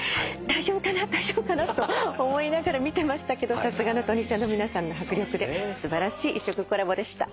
大丈夫かな？と思いながら見てましたけどさすがのトニセンの皆さんの迫力で素晴らしい異色コラボでした。